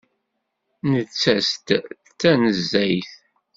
Nettas-d tanezzayt.